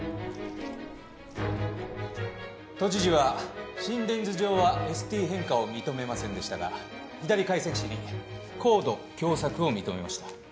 都知事は心電図上はＳＴ変化を認めませんでしたが左回旋枝に高度狭窄を認めました。